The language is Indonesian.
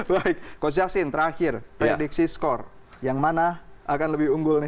baik coach justin terakhir prediksi skor yang mana akan lebih unggul nih